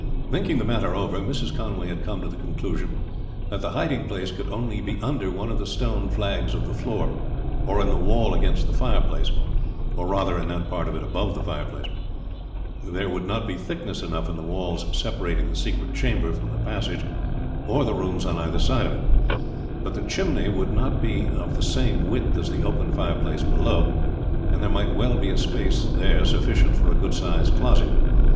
Thinking the matter over, Mrs. Conway had come to the conclusion that the hiding place could only be under one of the stone flags of the floor or in the wall against the fireplace, or rather in that part of it above the fireplace. There would not be thickness enough in the walls separating the secret chamber from the passage or the rooms on either side of it; but the chimney would not be of the same width as the open fireplace below, and there might well be a space there sufficient for a good sized closet.